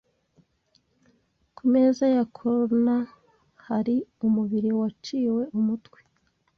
Ku meza ya coroner hari umubiri waciwe umutwe.